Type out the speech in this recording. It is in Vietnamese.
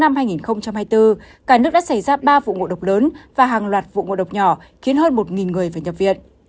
cả nước đã xảy ra ba vụ ngộ độc lớn và hàng loạt vụ ngộ độc nhỏ khiến hơn một người phải nhập viện